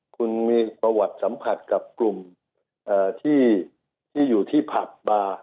คุณมีประวัติสัมผัสกับกลุ่มที่อยู่ที่ผับบาร์